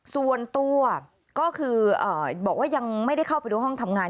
ส่วนตัวก็คือบอกว่ายังไม่ได้เข้าไปดูห้องทำงาน